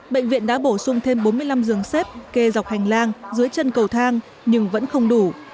bệnh viện đã bổ sung thêm bốn mươi năm giường xếp kê dọc hành lang dưới chân cầu thang nhưng vẫn không đủ